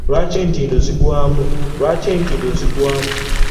Lwaki entindo zigwamu?